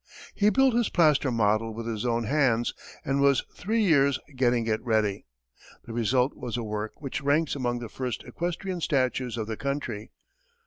He built his plaster model with his own hands, and was three years getting it ready. The result was a work which ranks among the first equestrian statues of the country.